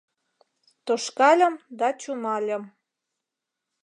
Тошкальым да чумальым